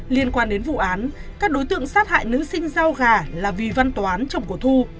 liên quan đến vụ án các đối tượng sát hại nữ sinh giao gà là vì văn toán chồng của thu